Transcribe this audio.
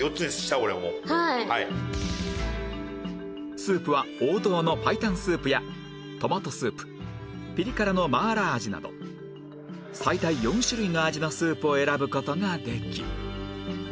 スープは王道の白湯スープやトマトスープピリ辛のマーラー味など最大４種類の味のスープを選ぶ事ができ